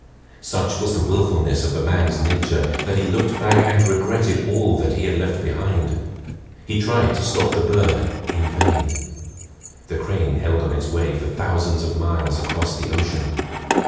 Such was the willfulness of the man's nature that he looked back and regretted all he had left behind. He tried to stop the bird in vain. The crane held on its way for thousands of miles across the ocean.